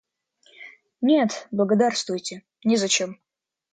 Нет, благодарствуйте, незачем.